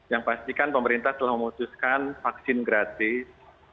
yang pastikan pemerintah telah memutuskan vaksin gratis